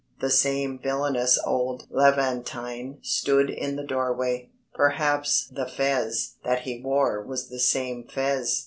The same villainous old Levantine stood in the doorway, perhaps the fez that he wore was the same fez.